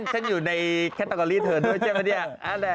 ฉันอยู่ในคาตักอลลี่เธอด้วยใช่ไหม